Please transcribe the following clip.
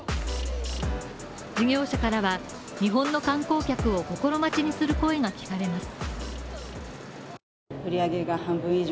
事業者からは、日本の観光客を心待ちにする声が聞かれます。